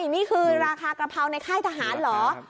นี่คือราคากระเพราในค่ายทหารเหรอ